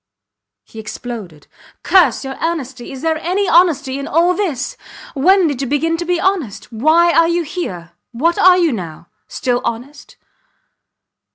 He exploded. Curse your honesty! ... Is there any honesty in all this! ... When did you begin to be honest? Why are you here? What are you now? ... Still honest?